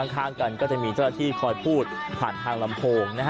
ข้างกันก็จะมีเจ้าหน้าที่คอยพูดผ่านทางลำโพงนะฮะ